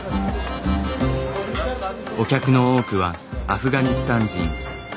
お客の多くはアフガニスタン人。